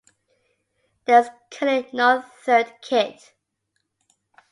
There is currently no third kit.